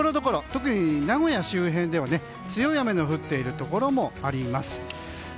特に名古屋周辺では強い雨の降っているところもあります。